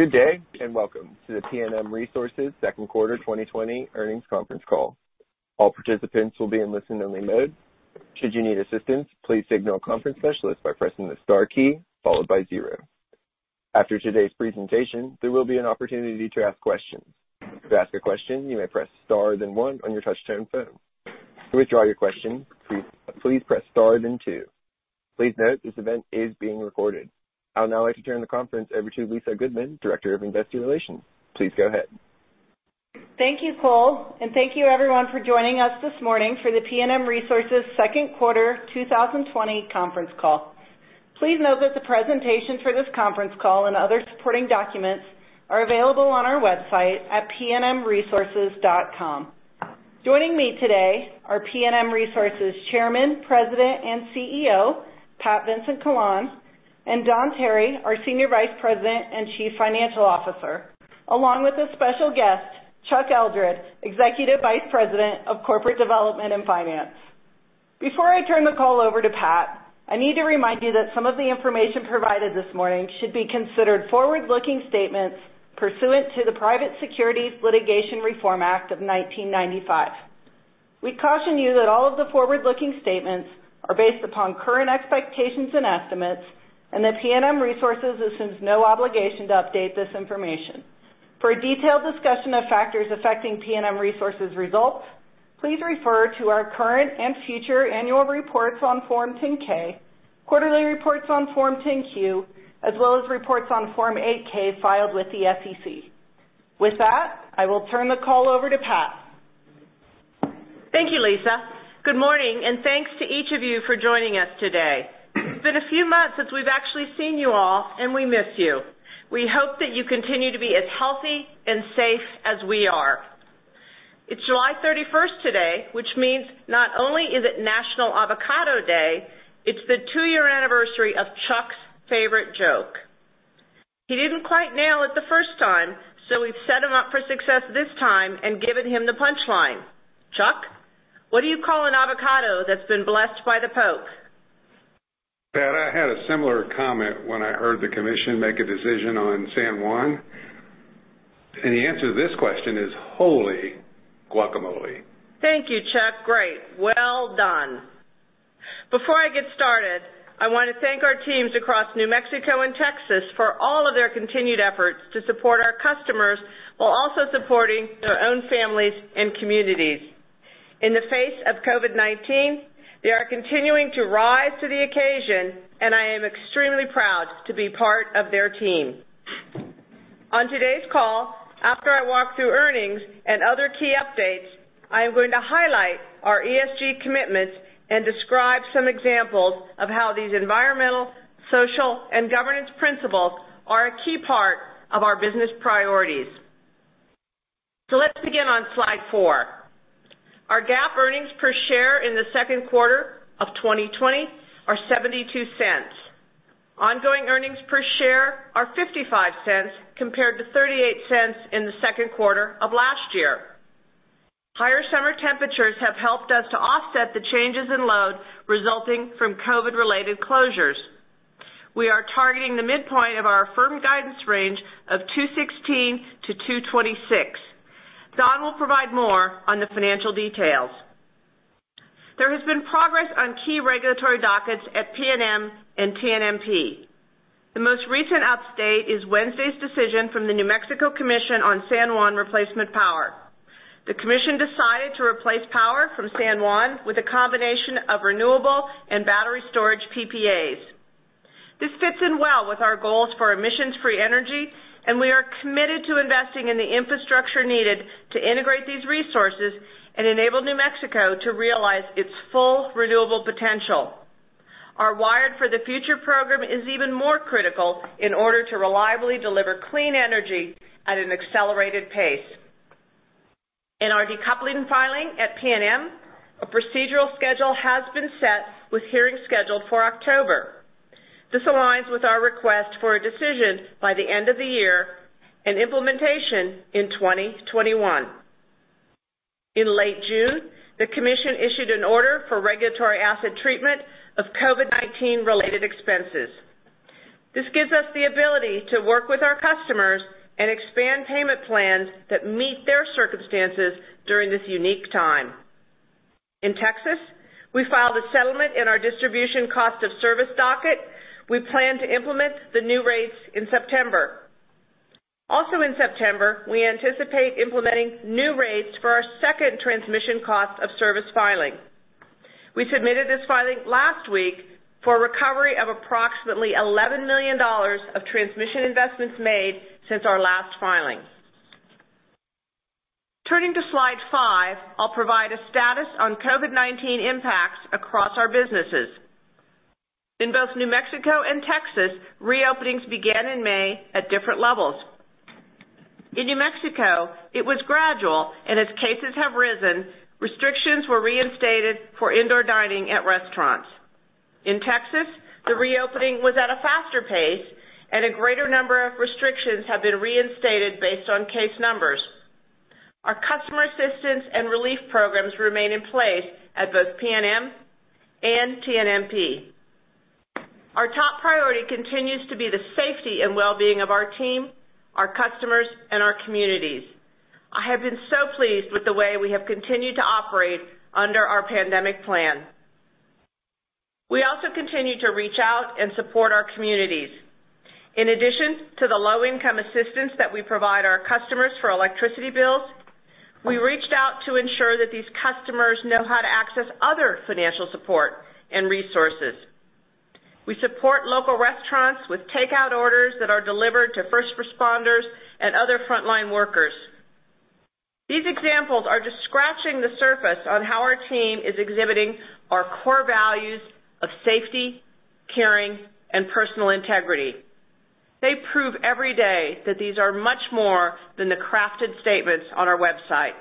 Good day, and welcome to the PNM Resources second quarter 2020 earnings conference call. All participants will be in listen-only mode. Should you need assistance, please signal a conference specialist by pressing the star key followed by zero. After today's presentation, there will be an opportunity to ask questions. To ask a question, you may press star then one on your touch-tone phone. To withdraw your question, please press star then two. Please note this event is being recorded. I would now like to turn the conference over to Lisa Goodman, Director of Investor Relations. Please go ahead. Thank you, Cole, and thank you everyone for joining us this morning for the PNM Resources second quarter 2020 conference call. Please note that the presentation for this conference call and other supporting documents are available on our website at pnmresources.com. Joining me today are PNM Resources Chairman, President, and CEO, Pat Vincent-Collawn, and Don Tarry, our Senior Vice President and Chief Financial Officer, along with a special guest, Chuck Eldred, Executive Vice President of Corporate Development and Finance. Before I turn the call over to Pat, I need to remind you that some of the information provided this morning should be considered forward-looking statements pursuant to the Private Securities Litigation Reform Act of 1995. We caution you that all of the forward-looking statements are based upon current expectations and estimates, and that PNM Resources assumes no obligation to update this information. For a detailed discussion of factors affecting PNM Resources results, please refer to our current and future annual reports on Form 10-K, quarterly reports on Form 10-Q, as well as reports on Form 8-K filed with the SEC. With that, I will turn the call over to Pat. Thank you, Lisa. Good morning, and thanks to each of you for joining us today. It's been a few months since we've actually seen you all, and we miss you. We hope that you continue to be as healthy and safe as we are. It's July 31st today, which means not only is it National Avocado Day, it's the two-year anniversary of Chuck's favorite joke. He didn't quite nail it the first time, so we've set him up for success this time and given him the punch line. Chuck, what do you call an avocado that's been blessed by the Pope? Pat, I had a similar comment when I heard the Commission make a decision on San Juan. The answer to this question is holy guacamole. Thank you, Chuck. Great. Well done. Before I get started, I want to thank our teams across New Mexico and Texas for all of their continued efforts to support our customers while also supporting their own families and communities. In the face of COVID-19, they are continuing to rise to the occasion, and I am extremely proud to be part of their team. On today's call, after I walk through earnings and other key updates, I am going to highlight our ESG commitments and describe some examples of how these environmental, social, and governance principles are a key part of our business priorities. Let's begin on slide four. Our GAAP earnings per share in the second quarter of 2020 are $0.72. Ongoing earnings per share are $0.55 compared to $0.38 in the second quarter of last year. Higher summer temperatures have helped us to offset the changes in load resulting from COVID-related closures. We are targeting the midpoint of our affirmed guidance range of $2.16-$2.26. Don will provide more on the financial details. There has been progress on key regulatory dockets at PNM and TNMP. The most recent update is Wednesday's decision from the New Mexico Commission on San Juan replacement power. The Commission decided to replace power from San Juan with a combination of renewable and battery storage PPAs. This fits in well with our goals for emissions-free energy. We are committed to investing in the infrastructure needed to integrate these resources and enable New Mexico to realize its full renewable potential. Our Wired for the Future program is even more critical in order to reliably deliver clean energy at an accelerated pace. In our decoupling filing at PNM, a procedural schedule has been set with hearings scheduled for October. This aligns with our request for a decision by the end of the year and implementation in 2021. In late June, the Commission issued an order for regulatory asset treatment of COVID-19-related expenses. This gives us the ability to work with our customers and expand payment plans that meet their circumstances during this unique time. In Texas, we filed a settlement in our distribution cost of service docket. We plan to implement the new rates in September. In September, we anticipate implementing new rates for our second transmission cost of service filing. We submitted this filing last week for a recovery of approximately $11 million of transmission investments made since our last filing. Turning to slide five, I'll provide a status on COVID-19 impacts across our businesses. In both New Mexico and Texas, reopenings began in May at different levels. In New Mexico, it was gradual, and as cases have risen, restrictions were reinstated for indoor dining at restaurants. In Texas, the reopening was at a faster pace, and a greater number of restrictions have been reinstated based on case numbers. Our customer assistance and relief programs remain in place at both PNM and TNMP. Our top priority continues to be the safety and wellbeing of our team, our customers, and our communities. I have been so pleased with the way we have continued to operate under our pandemic plan. We also continue to reach out and support our communities. In addition to the low-income assistance that we provide our customers for electricity bills, we reached out to ensure that these customers know how to access other financial support and resources. We support local restaurants with takeout orders that are delivered to first responders and other frontline workers. These examples are just scratching the surface on how our team is exhibiting our core values of safety, caring, and personal integrity. They prove every day that these are much more than the crafted statements on our website.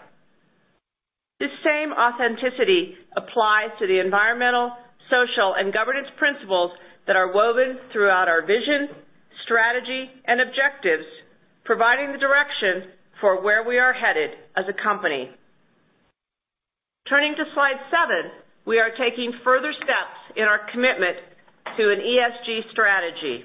This same authenticity applies to the environmental, social, and governance principles that are woven throughout our vision, strategy, and objectives, providing the direction for where we are headed as a company. Turning to slide seven, we are taking further steps in our commitment to an ESG strategy.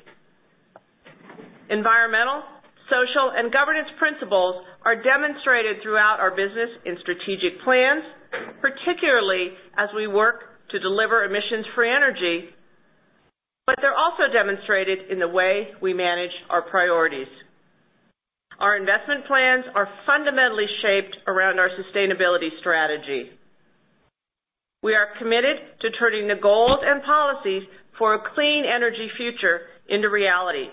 Environmental, social, and governance principles are demonstrated throughout our business and strategic plans, particularly as we work to deliver emissions-free energy, but they're also demonstrated in the way we manage our priorities. Our investment plans are fundamentally shaped around our sustainability strategy. We are committed to turning the goals and policies for a clean energy future into reality.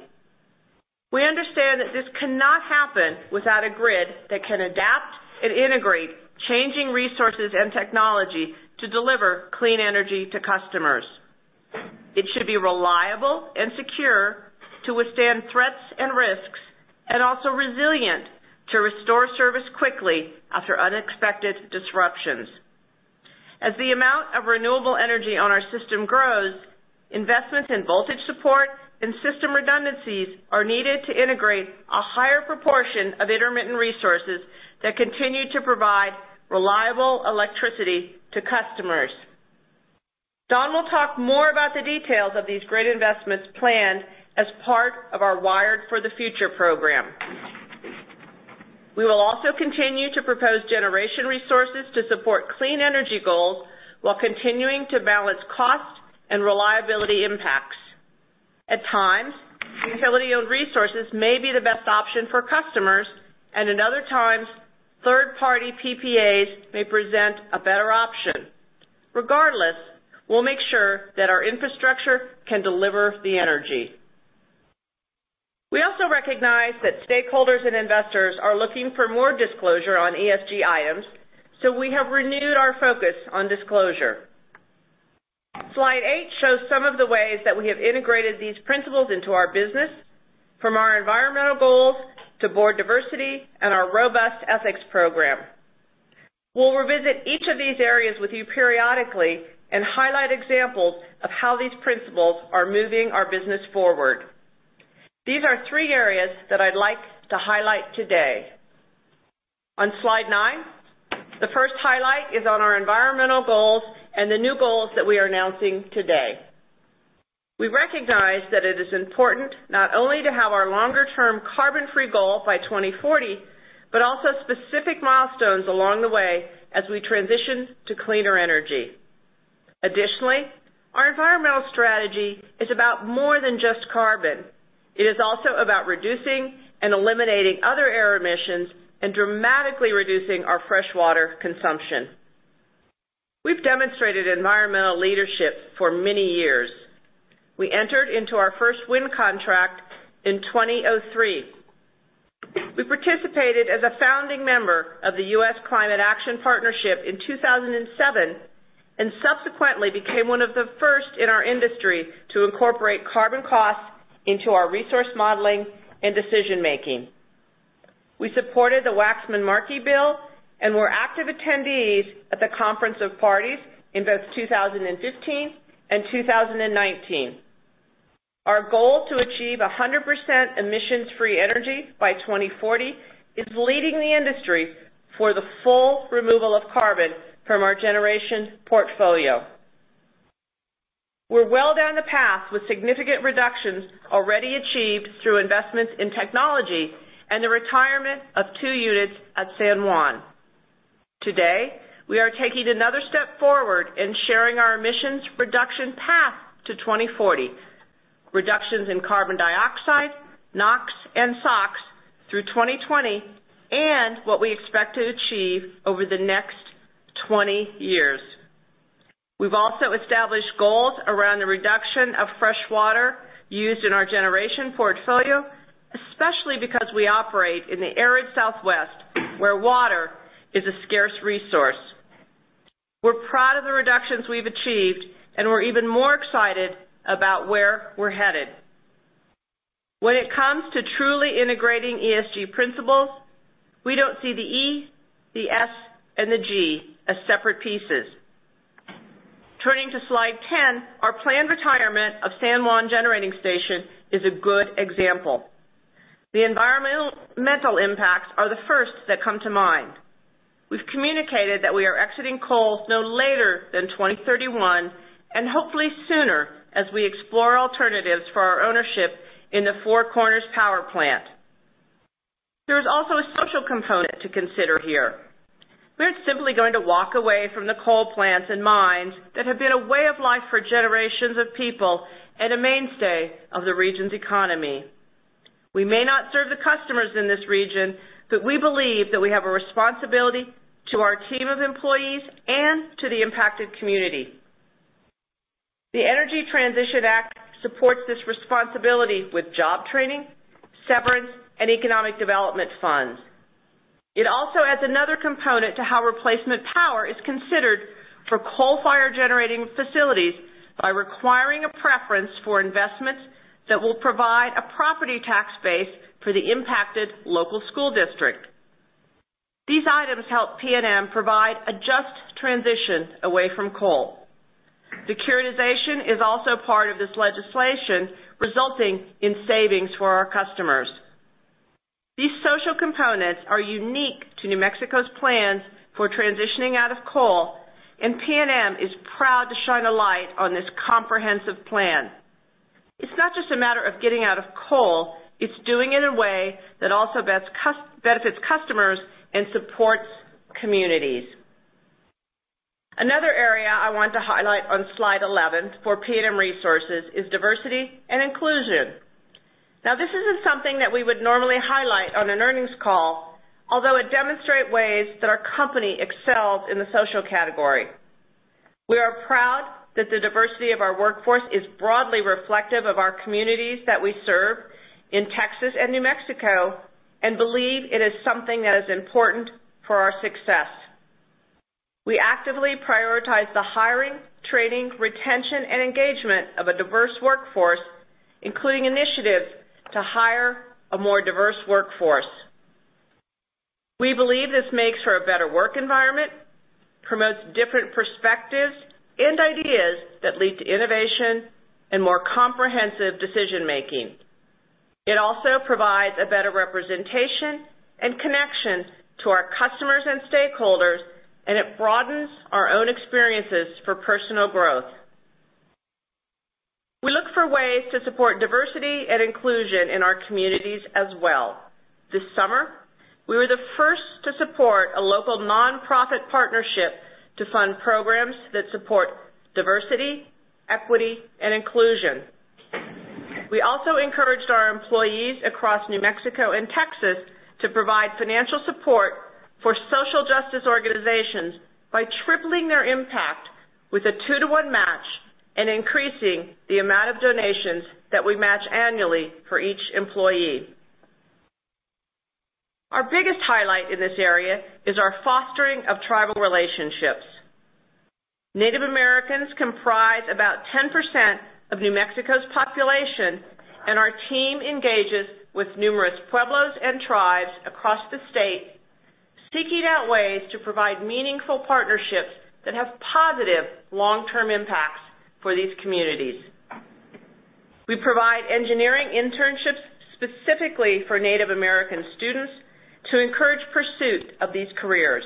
We understand that this cannot happen without a grid that can adapt and integrate changing resources and technology to deliver clean energy to customers. It should be reliable and secure to withstand threats and risks, and also resilient to restore service quickly after unexpected disruptions. As the amount of renewable energy on our system grows, investments in voltage support and system redundancies are needed to integrate a higher proportion of intermittent resources that continue to provide reliable electricity to customers. Don will talk more about the details of these great investments planned as part of our Wired for the Future program. We will also continue to propose generation resources to support clean energy goals while continuing to balance cost and reliability impacts. At times, utility-owned resources may be the best option for customers, and at other times, third-party PPAs may present a better option. Regardless, we'll make sure that our infrastructure can deliver the energy. We also recognize that stakeholders and investors are looking for more disclosure on ESG items, so we have renewed our focus on disclosure. Slide eight shows some of the ways that we have integrated these principles into our business, from our environmental goals to board diversity and our robust ethics program. We'll revisit each of these areas with you periodically and highlight examples of how these principles are moving our business forward. These are three areas that I'd like to highlight today. On slide nine, the first highlight is on our environmental goals and the new goals that we are announcing today. We recognize that it is important not only to have our longer-term carbon-free goal by 2040 but also specific milestones along the way as we transition to cleaner energy. Additionally, our environmental strategy is about more than just carbon. It is also about reducing and eliminating other air emissions and dramatically reducing our freshwater consumption. We've demonstrated environmental leadership for many years. We entered into our first wind contract in 2003. We participated as a founding member of the U.S. Climate Action Partnership in 2007 and subsequently became one of the first in our industry to incorporate carbon costs into our resource modeling and decision-making. We supported the Waxman-Markey Bill and were active attendees at the Conference of the Parties in both 2015 and 2019. Our goal to achieve 100% emissions-free energy by 2040 is leading the industry for the full removal of carbon from our generation portfolio. We're well down the path with significant reductions already achieved through investments in technology and the retirement of two units at San Juan. Today, we are taking another step forward in sharing our emissions reduction path to 2040, reductions in carbon dioxide, NOx, and SOx through 2020, and what we expect to achieve over the next 20 years. We've also established goals around the reduction of freshwater used in our generation portfolio, especially because we operate in the arid Southwest, where water is a scarce resource. We're proud of the reductions we've achieved, and we're even more excited about where we're headed. When it comes to truly integrating ESG principles, we don't see the E, the S, and the G as separate pieces. Turning to slide 10, our planned retirement of San Juan Generating Station is a good example. The environmental impacts are the first that come to mind. We've communicated that we are exiting coal no later than 2031, and hopefully sooner, as we explore alternatives for our ownership in the Four Corners Power Plant. There is also a social component to consider here. We aren't simply going to walk away from the coal plants and mines that have been a way of life for generations of people and a mainstay of the region's economy. We may not serve the customers in this region, but we believe that we have a responsibility to our team of employees and to the impacted community. The Energy Transition Act supports this responsibility with job training, severance, and economic development funds. It also adds another component to how replacement power is considered for coal-fired generating facilities by requiring a preference for investments that will provide a property tax base for the impacted local school district. These items help PNM provide a just transition away from coal. Securitization is also part of this legislation, resulting in savings for our customers. These social components are unique to New Mexico's plans for transitioning out of coal. PNM is proud to shine a light on this comprehensive plan. It's not just a matter of getting out of coal, it's doing it in a way that also benefits customers and supports communities. Another area I want to highlight on slide 11 for PNM Resources is diversity and inclusion. This isn't something that we would normally highlight on an earnings call, although it demonstrate ways that our company excels in the social category. We are proud that the diversity of our workforce is broadly reflective of our communities that we serve in Texas and New Mexico. We believe it is something that is important for our success. We actively prioritize the hiring, training, retention, and engagement of a diverse workforce, including initiatives to hire a more diverse workforce. We believe this makes for a better work environment, promotes different perspectives and ideas that lead to innovation and more comprehensive decision-making. It also provides a better representation and connection to our customers and stakeholders, and it broadens our own experiences for personal growth. We look for ways to support diversity and inclusion in our communities as well. This summer, we were the first to support a local nonprofit partnership to fund programs that support diversity, equity, and inclusion. We also encouraged our employees across New Mexico and Texas to provide financial support for social justice organizations by tripling their impact with a 2:1 match and increasing the amount of donations that we match annually for each employee. Our biggest highlight in this area is our fostering of tribal relationships. Native Americans comprise about 10% of New Mexico's population, and our team engages with numerous pueblos and tribes across the State, seeking out ways to provide meaningful partnerships that have positive long-term impacts for these communities. We provide engineering internships specifically for Native American students to encourage pursuit of these careers.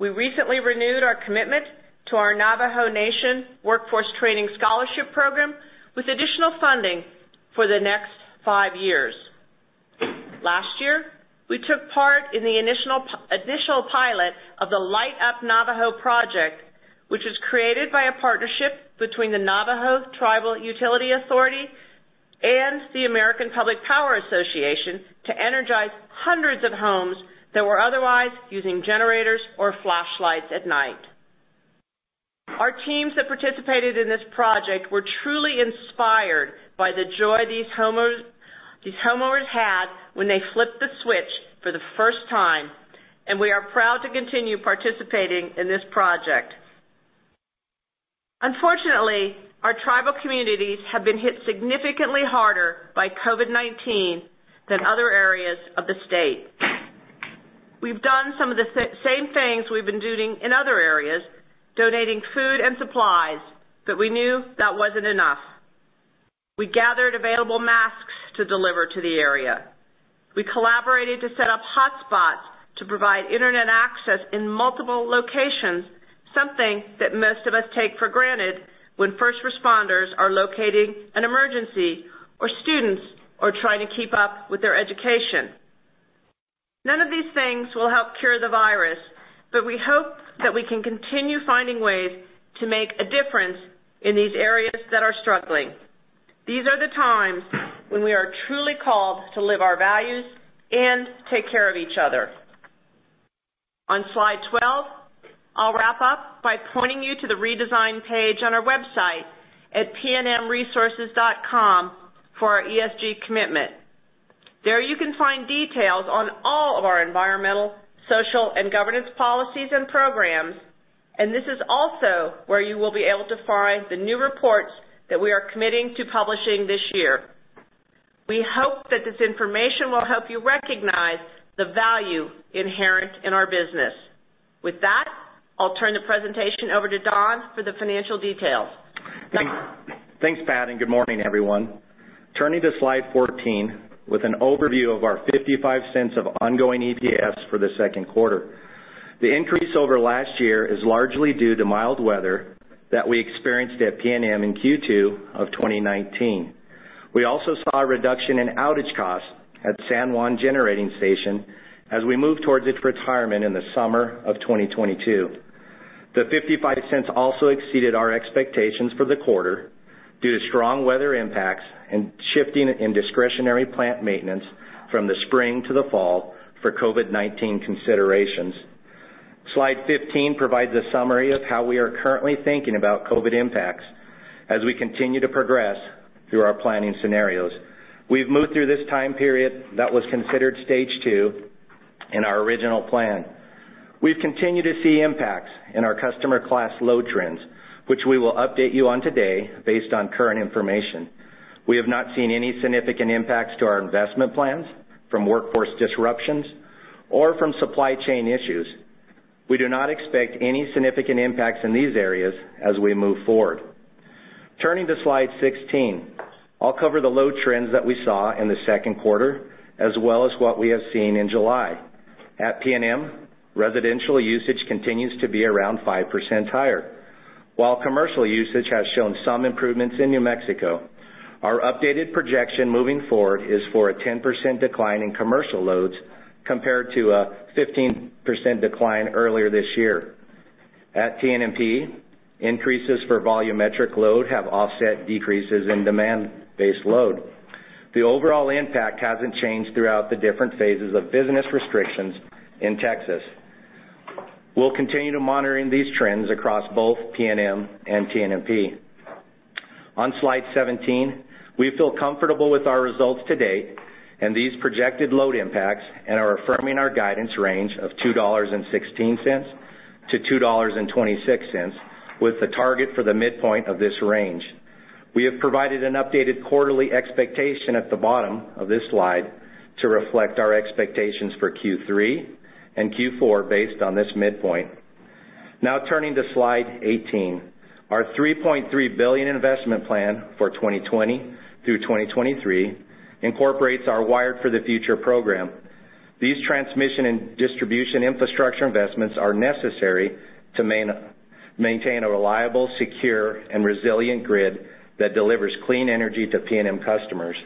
We recently renewed our commitment to our Navajo Nation Workforce Training Scholarship Program with additional funding for the next five years. Last year, we took part in the initial pilot of the Light Up Navajo project, which was created by a partnership between the Navajo Tribal Utility Authority and the American Public Power Association to energize hundreds of homes that were otherwise using generators or flashlights at night. Our teams that participated in this project were truly inspired by the joy these homeowners had when they flipped the switch for the first time, and we are proud to continue participating in this project. Unfortunately, our tribal communities have been hit significantly harder by COVID-19 than other areas of the State. We've done some of the same things we've been doing in other areas, donating food and supplies, but we knew that wasn't enough. We gathered available masks to deliver to the area. We collaborated to set up hotspots to provide internet access in multiple locations, something that most of us take for granted when first responders are locating an emergency or students are trying to keep up with their education. None of these things will help cure the virus, but we hope that we can continue finding ways to make a difference in these areas that are struggling. These are the times when we are truly called to live our values and take care of each other. On slide 12, I'll wrap up by pointing you to the Redesign page on our website at pnmresources.com for our ESG commitment. There, you can find details on all of our environmental, social, and governance policies and programs, and this is also where you will be able to find the new reports that we are committing to publishing this year. We hope that this information will help you recognize the value inherent in our business. With that, I'll turn the presentation over to Don for the financial details. Thanks, Pat, and good morning, everyone. Turning to Slide 14 with an overview of our $0.55 of ongoing EPS for the second quarter. The increase over last year is largely due to mild weather that we experienced at PNM in Q2 of 2019. We also saw a reduction in outage costs at San Juan Generating Station as we move towards its retirement in the summer of 2022. The $0.55 also exceeded our expectations for the quarter due to strong weather impacts and shifting in discretionary plant maintenance from the spring to the fall for COVID-19 considerations. Slide 15 provides a summary of how we are currently thinking about COVID impacts as we continue to progress through our planning scenarios. We've moved through this time period that was considered Stage 2 in our original plan. We've continued to see impacts in our customer class load trends, which we will update you on today based on current information. We have not seen any significant impacts to our investment plans from workforce disruptions or from supply chain issues. We do not expect any significant impacts in these areas as we move forward. Turning to slide 16, I'll cover the load trends that we saw in the second quarter, as well as what we have seen in July. At PNM, residential usage continues to be around 5% higher. While commercial usage has shown some improvements in New Mexico, our updated projection moving forward is for a 10% decline in commercial loads, compared to a 15% decline earlier this year. At TNMP, increases for volumetric load have offset decreases in demand-based load. The overall impact hasn't changed throughout the different phases of business restrictions in Texas. We'll continue to monitoring these trends across both PNM and TNMP. On slide 17, we feel comfortable with our results to date and these projected load impacts and are affirming our guidance range of $2.16-$2.26 with the target for the midpoint of this range. We have provided an updated quarterly expectation at the bottom of this slide to reflect our expectations for Q3 and Q4 based on this midpoint. Turning to slide 18. Our $3.3 billion investment plan for 2020 through 2023 incorporates our Wired for the Future program. These transmission and distribution infrastructure investments are necessary to maintain a reliable, secure, and resilient grid that delivers clean energy to PNM customers.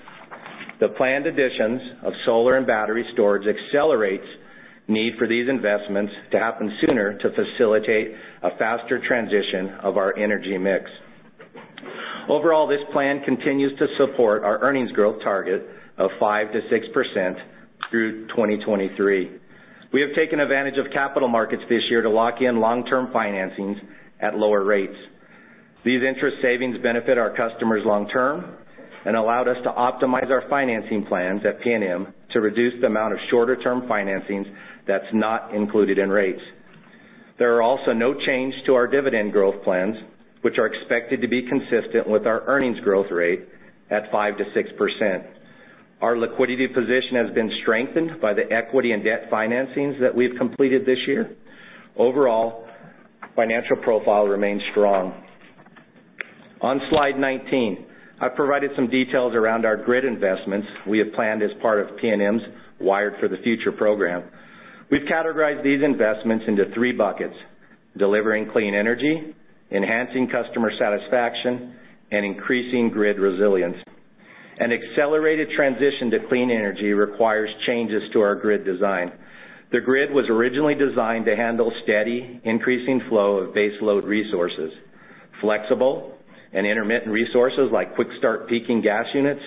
The planned additions of solar and battery storage accelerates need for these investments to happen sooner to facilitate a faster transition of our energy mix. Overall, this plan continues to support our earnings growth target of 5%-6% through 2023. We have taken advantage of capital markets this year to lock in long-term financings at lower rates. These interest savings benefit our customers long term and allowed us to optimize our financing plans at PNM to reduce the amount of shorter-term financings that's not included in rates. There are also no change to our dividend growth plans, which are expected to be consistent with our earnings growth rate at 5%-6%. Our liquidity position has been strengthened by the equity and debt financings that we've completed this year. Overall, financial profile remains strong. On slide 19, I've provided some details around our grid investments we have planned as part of PNM's Wired for the Future program. We've categorized these investments into three buckets, delivering clean energy, enhancing customer satisfaction, and increasing grid resilience. An accelerated transition to clean energy requires changes to our grid design. The grid was originally designed to handle steady, increasing flow of base load resources. Flexible and intermittent resources like quick-start peaking gas units,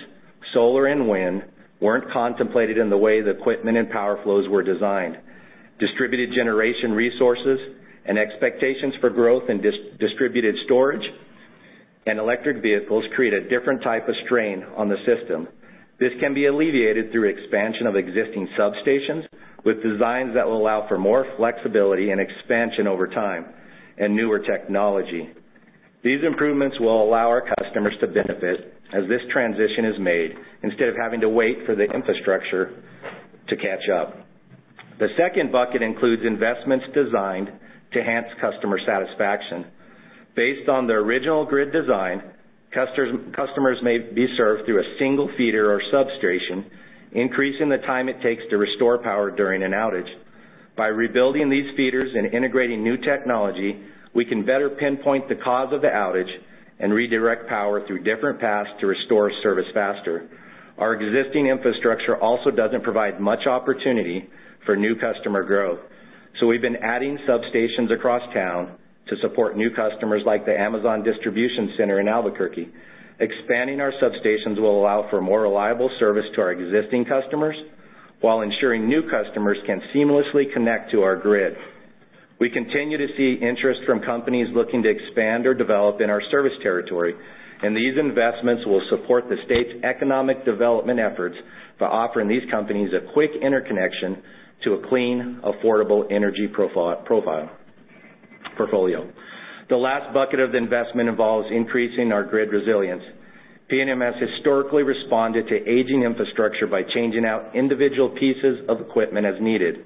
solar, and wind weren't contemplated in the way the equipment and power flows were designed. Distributed generation resources and expectations for growth in distributed storage and electric vehicles create a different type of strain on the system. This can be alleviated through expansion of existing substations with designs that will allow for more flexibility and expansion over time and newer technology. These improvements will allow our customers to benefit as this transition is made instead of having to wait for the infrastructure to catch up. The second bucket includes investments designed to enhance customer satisfaction. Based on the original grid design, customers may be served through a single feeder or substation, increasing the time it takes to restore power during an outage. By rebuilding these feeders and integrating new technology, we can better pinpoint the cause of the outage and redirect power through different paths to restore service faster. Our existing infrastructure also doesn't provide much opportunity for new customer growth. We've been adding substations across town to support new customers like the Amazon Distribution Center in Albuquerque. Expanding our substations will allow for more reliable service to our existing customers while ensuring new customers can seamlessly connect to our grid. We continue to see interest from companies looking to expand or develop in our service territory. These investments will support the State's economic development efforts by offering these companies a quick interconnection to a clean, affordable energy profile, portfolio. The last bucket of the investment involves increasing our grid resilience. PNM has historically responded to aging infrastructure by changing out individual pieces of equipment as needed.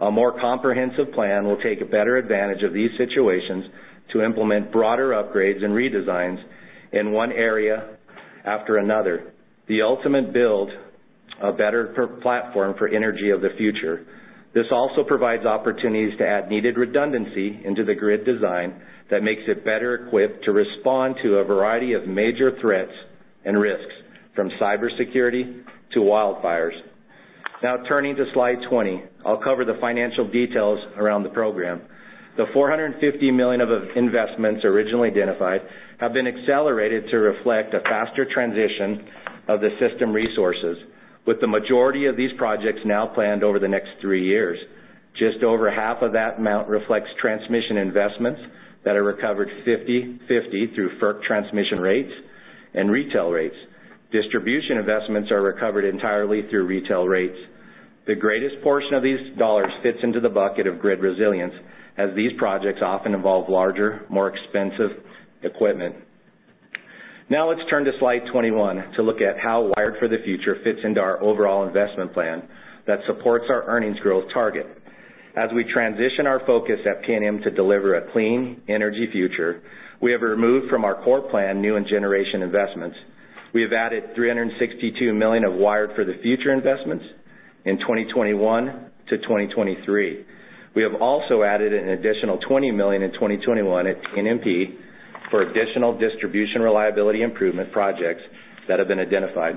A more comprehensive plan will take a better advantage of these situations to implement broader upgrades and redesigns in one area after another. The ultimate build, a better platform for energy of the future. This also provides opportunities to add needed redundancy into the grid design that makes it better equipped to respond to a variety of major threats and risks, from cybersecurity to wildfires. Turning to slide 20, I'll cover the financial details around the program. The $450 million of investments originally identified have been accelerated to reflect a faster transition of the system resources, with the majority of these projects now planned over the next three years. Just over half of that amount reflects transmission investments that are recovered 50/50 through FERC transmission rates and retail rates. Distribution investments are recovered entirely through retail rates. The greatest portion of these dollars fits into the bucket of grid resilience, as these projects often involve larger, more expensive equipment. Now let's turn to slide 21 to look at how Wired for the Future fits into our overall investment plan that supports our earnings growth target. As we transition our focus at PNM to deliver a clean energy future, we have removed from our core plan new and generation investments. We have added $362 million of Wired for the Future investments in 2021-2023. We have also added an additional $20 million in 2021 at TNMP for additional distribution reliability improvement projects that have been identified.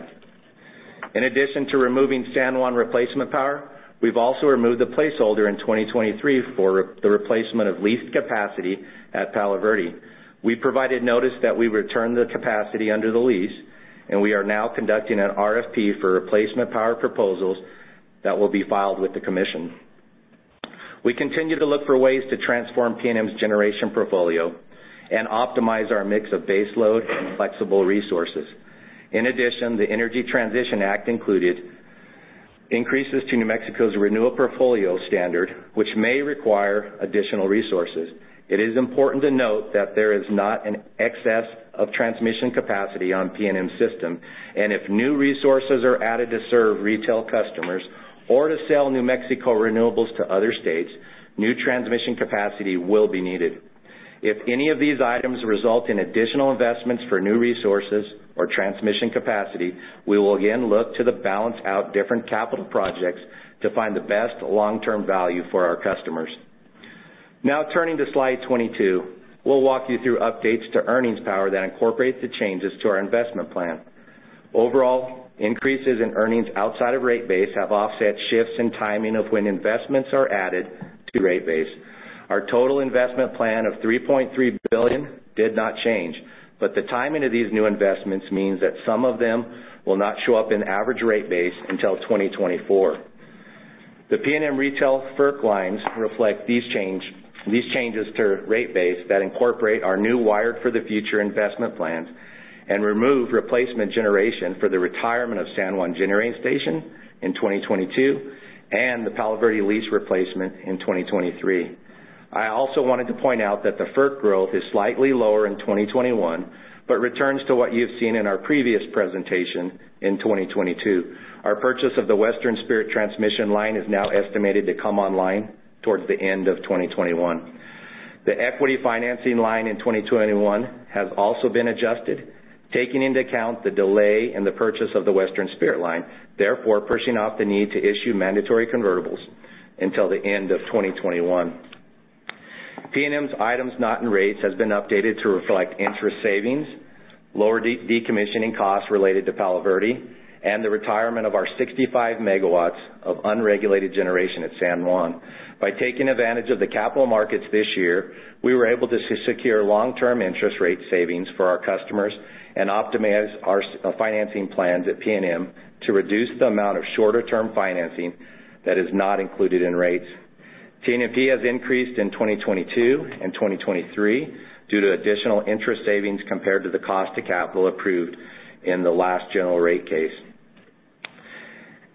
In addition to removing San Juan replacement power, we've also removed the placeholder in 2023 for the replacement of leased capacity at Palo Verde. We provided notice that we return the capacity under the lease, and we are now conducting an RFP for replacement power proposals that will be filed with the Commission. We continue to look for ways to transform PNM's generation portfolio and optimize our mix of base load and flexible resources. In addition, the Energy Transition Act included increases to New Mexico's Renewable Portfolio Standard, which may require additional resources. It is important to note that there is not an excess of transmission capacity on PNM's system, and if new resources are added to serve retail customers or to sell New Mexico renewables to other states, new transmission capacity will be needed. If any of these items result in additional investments for new resources or transmission capacity, we will again look to the balance out different capital projects to find the best long-term value for our customers. Now turning to slide 22, we'll walk you through updates to earnings power that incorporates the changes to our investment plan. Overall, increases in earnings outside of rate base have offset shifts in timing of when investments are added to rate base. Our total investment plan of $3.3 billion did not change, but the timing of these new investments means that some of them will not show up in average rate base until 2024. The PNM retail FERC lines reflect these changes to rate base that incorporate our new Wired for the Future investment plans and remove replacement generation for the retirement of San Juan Generating Station in 2022 and the Palo Verde lease replacement in 2023. I also wanted to point out that the FERC growth is slightly lower in 2021, but returns to what you've seen in our previous presentation in 2022. Our purchase of the Western Spirit transmission line is now estimated to come online towards the end of 2021. The equity financing line in 2021 has also been adjusted, taking into account the delay in the purchase of the Western Spirit line, therefore pushing out the need to issue mandatory convertibles until the end of 2021. PNM's items not in rates has been updated to reflect interest savings, lower decommissioning costs related to Palo Verde, and the retirement of our 65 MW of unregulated generation at San Juan. By taking advantage of the capital markets this year, we were able to secure long-term interest rate savings for our customers and optimize our financing plans at PNM to reduce the amount of shorter-term financing that is not included in rates. TNMP has increased in 2022 and 2023 due to additional interest savings compared to the cost of capital approved in the last general rate case.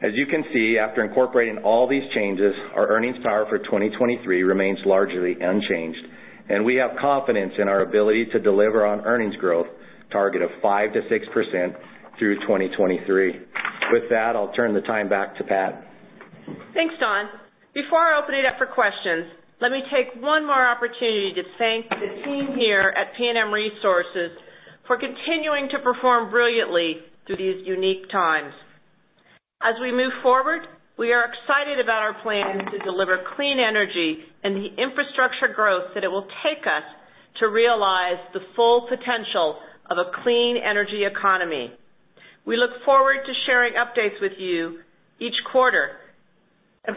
As you can see, after incorporating all these changes, our earnings power for 2023 remains largely unchanged, and we have confidence in our ability to deliver on earnings growth target of 5%-6% through 2023. With that, I'll turn the time back to Pat. Thanks, Don. Before I open it up for questions, let me take one more opportunity to thank the team here at PNM Resources for continuing to perform brilliantly through these unique times. We move forward, we are excited about our plan to deliver clean energy and the infrastructure growth that it will take us to realize the full potential of a clean energy economy. We look forward to sharing updates with you each quarter.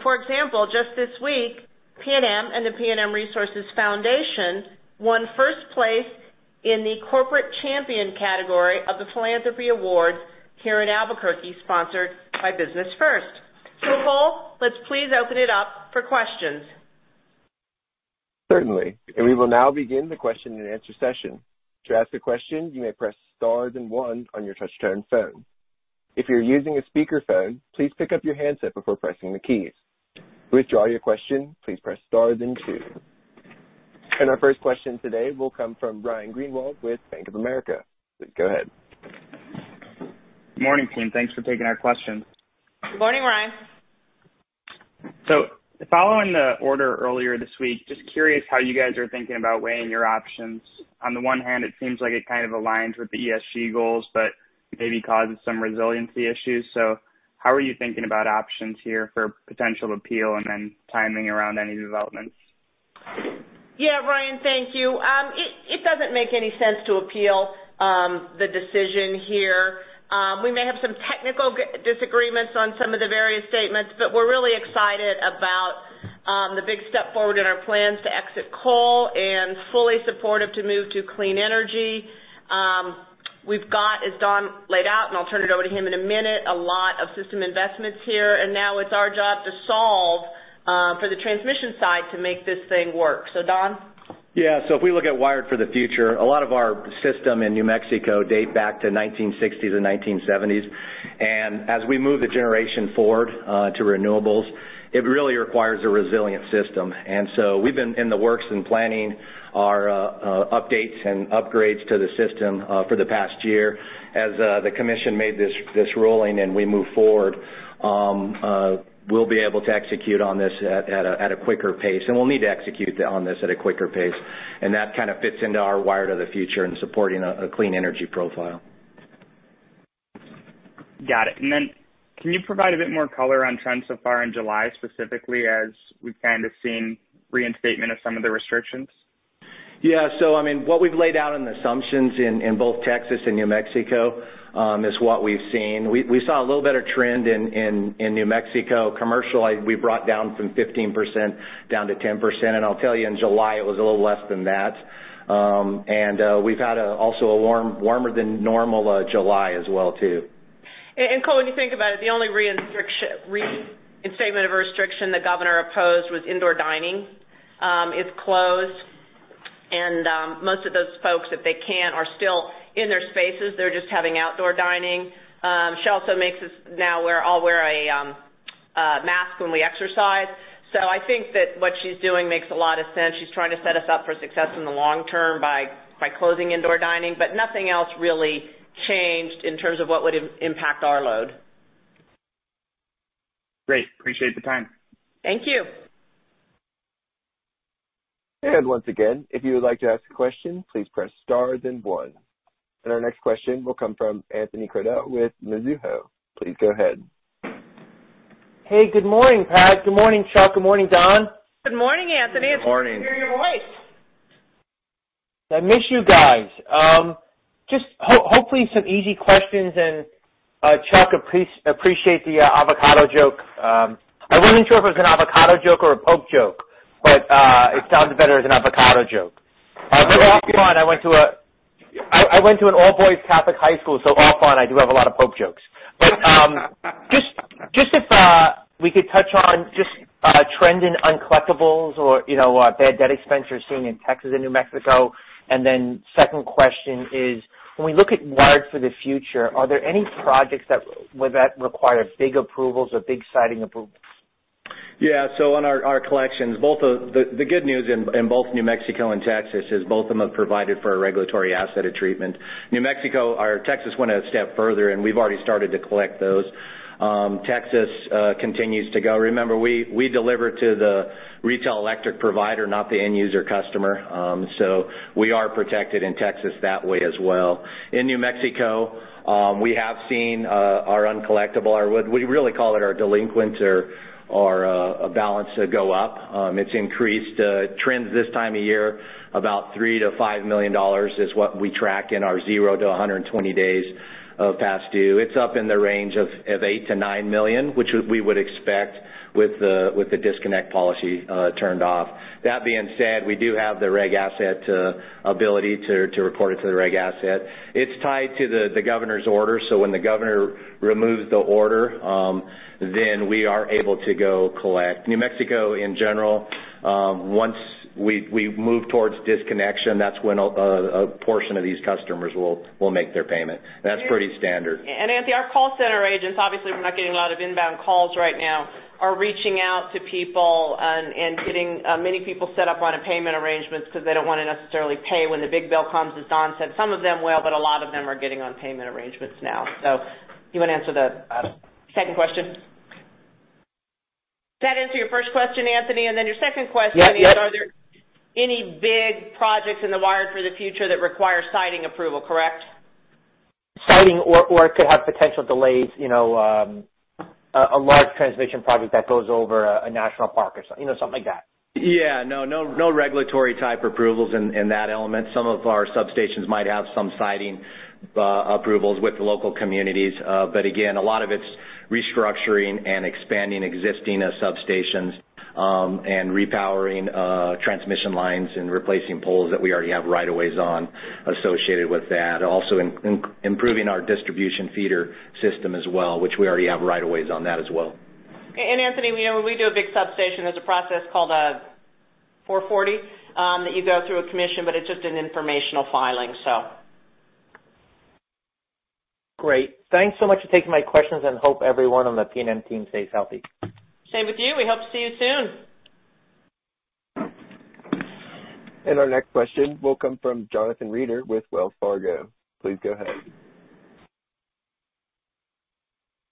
For example, just this week, PNM and the PNM Resources Foundation won first place in the Corporate Champion category of the Philanthropy Award here in Albuquerque, sponsored by Business First. Cole, let's please open it up for questions. Certainly, we will now begin the question and answer session. To ask a question, you may press star then one on your touchtone phone. If you're using a speakerphone, please pick up your handset before pressing the keys. To withdraw your question, please press star then two. Our first question today will come from Ryan Greenwald with Bank of America. Go ahead. Morning, team. Thanks for taking our questions. Good morning, Ryan. Following the order earlier this week, just curious how you guys are thinking about weighing your options. On the one hand, it seems like it kind of aligns with the ESG goals, but maybe causes some resiliency issues. How are you thinking about options here for potential appeal and then timing around any developments? Yeah. Ryan, thank you. It doesn't make any sense to appeal the decision here. We may have some technical disagreements on some of the various statements. We're really excited about the big step forward in our plans to exit coal and fully supportive to move to clean energy. We've got, as Don laid out, and I'll turn it over to him in a minute, a lot of system investments here, and now it's our job to solve for the transmission side to make this thing work. Don? If we look at Wired for the Future, a lot of our system in New Mexico date back to 1960s and 1970s. As we move the generation forward to renewables, it really requires a resilient system. We've been in the works in planning our updates and upgrades to the system for the past year. As the Commission made this ruling and we move forward, we'll be able to execute on this at a quicker pace. We'll need to execute on this at a quicker pace. That kind of fits into our Wired for the Future and supporting a clean energy profile. Got it. Then can you provide a bit more color on trends so far in July, specifically as we've kind of seen reinstatement of some of the restrictions? I mean, what we've laid out in the assumptions in both Texas and New Mexico, is what we've seen. We saw a little better trend in New Mexico commercial. We brought down from 15% down to 10%, I'll tell you in July, it was a little less than that. We've had also a warmer than normal July as well too. [Coal], when you think about it, the only reinstatement of a restriction the governor opposed was indoor dining. It's closed, most of those folks, if they can, are still in their spaces, they're just having outdoor dining. She also makes us now all wear a mask when we exercise. I think that what she's doing makes a lot of sense. She's trying to set us up for success in the long-term by closing indoor dining. Nothing else really changed in terms of what would impact our load. Great. Appreciate the time. Thank you. Once again, if you would like to ask a question, please press star then one. Our next question will come from Anthony Crowdell with Mizuho. Please go ahead. Hey, good morning, Pat. Good morning, Chuck. Good morning, Don. Good morning, Anthony. Good morning. It's good to hear your voice. I miss you guys. Just hopefully some easy questions, Chuck, appreciate the avocado joke. I wasn't sure if it was an avocado joke or a pope joke, but it sounds better as an avocado joke. I went to an all-boys Catholic high school, so I do have a lot of pope jokes. If we could touch on just trend in uncollectibles or bad debt expenses you're seeing in Texas and New Mexico. Second question is, when we look at Wired for the Future, are there any projects that would require big approvals or big siting approvals? On our collections, the good news in both New Mexico and Texas is both of them have provided for a regulatory asset of treatment. New Mexico or Texas went a step further, we've already started to collect those. Texas continues to go. Remember, we deliver to the retail electric provider, not the end user customer. We are protected in Texas that way as well. In New Mexico, we have seen our uncollectible or what we really call it, our delinquents or a balance go up. It's increased trends this time of year, about $3 million-$5 million is what we track in our 0-120 days of past due. It's up in the range of $8 million-$9 million, which we would expect with the disconnect policy turned off. That being said, we do have the reg asset ability to report it to the reg asset. It's tied to the governor's order, when the governor removes the order, we are able to go collect. New Mexico, in general, once we move towards disconnection, that's when a portion of these customers will make their payment. That's pretty standard. Anthony, our call center agents, obviously, we're not getting a lot of inbound calls right now, are reaching out to people and getting many people set up on a payment arrangements because they don't want to necessarily pay when the big bill comes, as Don said. Some of them will, but a lot of them are getting on payment arrangements now. You want to answer the second question? That answer your first question, Anthony? Yep. Are there any big projects in the Wired for the Future that require siting approval, correct? Siting or could have potential delays, a large transmission project that goes over a national park or something like that. Yeah. No regulatory type approvals in that element. Some of our substations might have some siting approvals with the local communities. Again, a lot of it's restructuring and expanding existing substations, and repowering transmission lines and replacing poles that we already have right of ways on associated with that. Also improving our distribution feeder system as well, which we already have right of ways on that as well. Anthony, when we do a big substation, there's a process called a Section 440, that you go through a Commission, but it's just an Informational filing. Great. Thanks so much for taking my questions, and hope everyone on the PNM team stays healthy. Same with you. We hope to see you soon. Our next question will come from Jonathan Reeder with Wells Fargo. Please go ahead.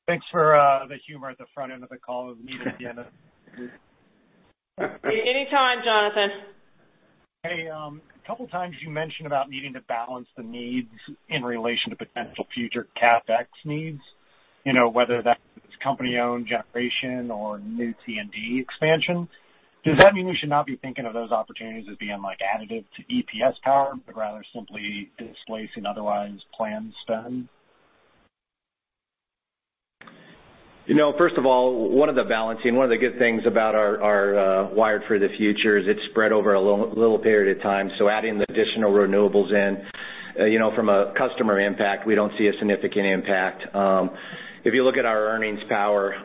Thanks for the humor at the front end of the call. Needed the end. Any time, Jonathan. Hey, a couple times you mentioned about needing to balance the needs in relation to potential future CapEx needs, whether that's company-owned generation or new T&D expansion. Does that mean we should not be thinking of those opportunities as being additive to EPS power, but rather simply displacing otherwise planned spend? First of all, one of the good things about our Wired for the Future is it's spread over a little period of time. Adding the additional renewables in, from a customer impact, we don't see a significant impact. If you look at our earnings power,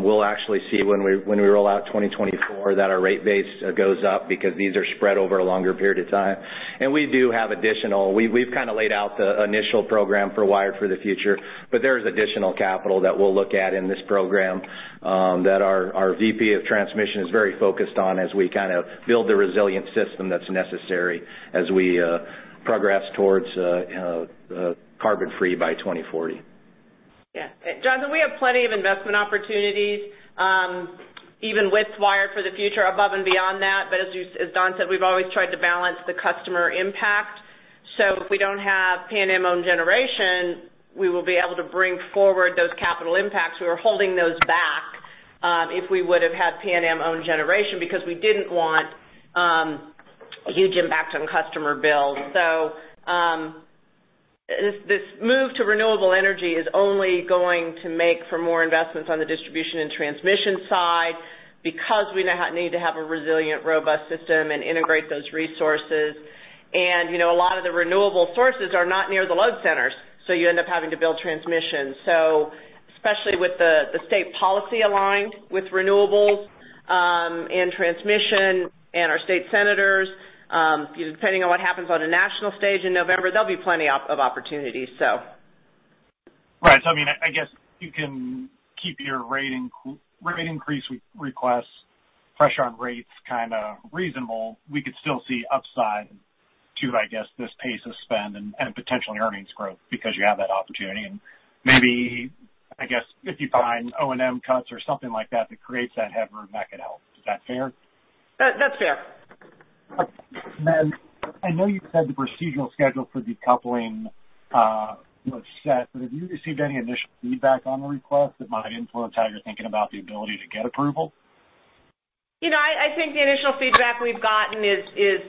we'll actually see when we roll out 2024 that our rate base goes up because these are spread over a longer period of time. We do have additional, we've kind of laid out the initial program for Wired for the Future, but there is additional capital that we'll look at in this program that our VP of Transmission is very focused on as we kind of build the resilient system that's necessary as we progress towards carbon-free by 2040. Yeah. Jonathan, we have plenty of investment opportunities, even with Wired for the Future above and beyond that. As Don said, we've always tried to balance the customer impact. If we don't have PNM-owned generation, we will be able to bring forward those capital impacts. We were holding those back if we would've had PNM-owned generation, because we didn't want a huge impact on customer bills. This move to renewable energy is only going to make for more investments on the distribution and transmission side because we need to have a resilient, robust system and integrate those resources. A lot of the renewable sources are not near the load centers, you end up having to build transmission. Especially with the State policy aligned with renewables, and transmission, and our State Senators, depending on what happens on a national stage in November, there'll be plenty of opportunities. Right. I guess you can keep your rate increase requests, pressure on rates kind of reasonable. We could still see upside to, I guess, this pace of spend and potentially earnings growth because you have that opportunity. Maybe, I guess, if you find O&M cuts or something like that creates that headroom back it out. Is that fair? That's fair. Then, I know you said the procedural schedule for decoupling was set, but have you received any initial feedback on the request that might influence how you're thinking about the ability to get approval? I think the initial feedback we've gotten is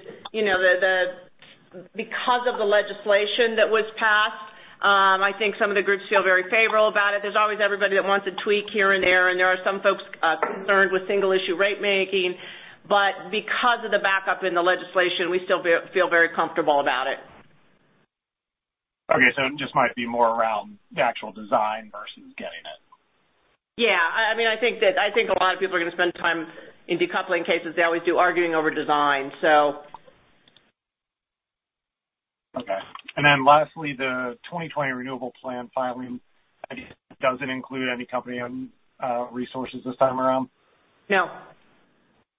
because of the legislation that was passed, I think some of the groups feel very favorable about it. There's always everybody that wants a tweak here and there, and there are some folks concerned with single-issue rate making. Because of the backup in the legislation, we still feel very comfortable about it. Okay. It just might be more around the actual design versus getting it. Yeah. I think a lot of people are going to spend time in decoupling cases. They always do arguing over design. Okay. Lastly, the 2020 renewable plan filing, I guess, doesn't include any company resources this time around? No.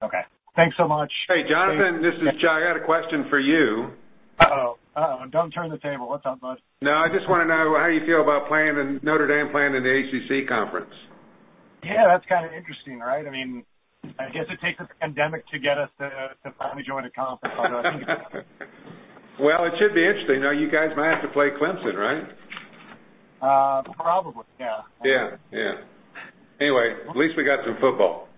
Okay. Thanks so much. Hey, Jonathan, this is Chuck. I got a question for you. Uh-oh. Don't turn the table. What's up, bud? No, I just want to know how you feel about Notre Dame playing in the ACC conference? Yeah, that's kind of interesting, right? I guess it takes this pandemic to get us to finally join a conference. Well, it should be interesting. Now you guys might have to play Clemson, right? Probably, yeah. Yeah. Anyway, at least we got some football.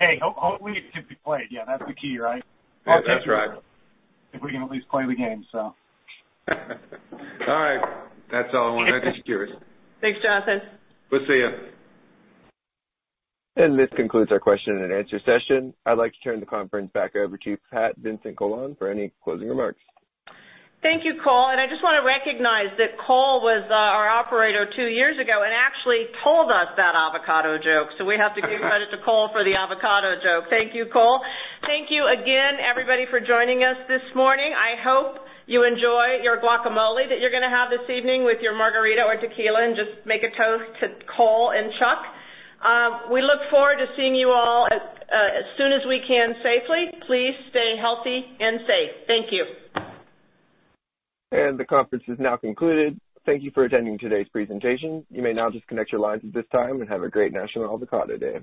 Hey, hopefully it gets played. That's the key, right? Yeah, that's right. If we can at least play the game, so. All right. That's all I wanted to ask you. Thanks, Jonathan. We'll see you. This concludes our question and answer session. I'd like to turn the conference back over to Pat Vincent-Collawn for any closing remarks. Thank you, Cole. I just want to recognize that Cole was our operator two years ago and actually told us that avocado joke. We have to give credit to Cole for the avocado joke. Thank you, Cole. Thank you again, everybody, for joining us this morning. I hope you enjoy your guacamole that you're going to have this evening with your margarita or tequila, and just make a toast to Cole and Chuck. We look forward to seeing you all as soon as we can safely. Please stay healthy and safe. Thank you. The conference is now concluded. Thank you for attending today's presentation. You may now disconnect your lines at this time, and have a great National Avocado Day.